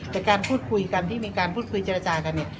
แต่การพูดคุยกันที่มีการพูดคุยเจรจากันเนี่ย